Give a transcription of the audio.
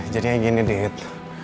jadinya gini dit